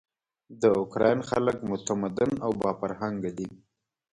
د اوکراین خلک متمدن او با فرهنګه دي.